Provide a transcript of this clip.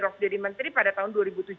rokjari menteri pada tahun dua ribu tujuh belas